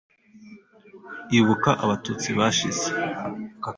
ibuka abatutsi bashize